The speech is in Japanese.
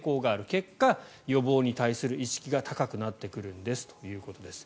結果、予防に対する意識が高くなってくるんですということです。